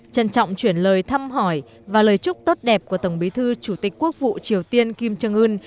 trân trọng chuyển lời thăm hỏi và lời chúc tốt đẹp của tổng bí thư chủ tịch quốc vụ triều tiên kim trương ưn